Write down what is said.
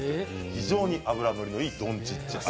非常に脂乗りのいいどんちっちアジ。